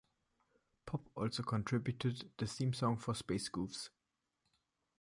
Pop also contributed the theme song for "Space Goofs".